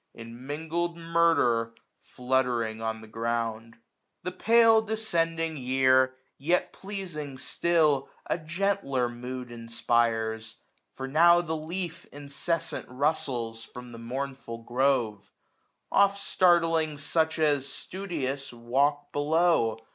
In mingled murder, fluttering on the ground. 985 The pale descending year, yet pleasing still, A gentler mood inspires ; for now the leaf Incessant rustles from the mournful grove; Oft startling such as, studious, walk below.